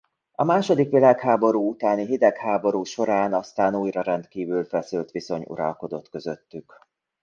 A második világháború utáni hidegháború során aztán újra rendkívül feszült viszony uralkodott közöttük.